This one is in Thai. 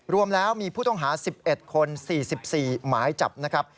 รวมแล้วมีผู้ต้องหา๑๑คน๔๔หมายจับนะครับ